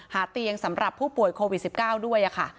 เตียงสำหรับผู้ป่วยโควิด๑๙ด้วยค่ะ